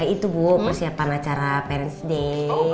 itu bu persiapan acara parent day